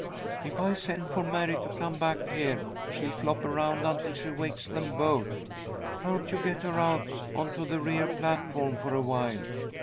"If I send for Mary to come back here, she'll flop around until she wakes them both. Can't you get her out on to the rear platform for awhile?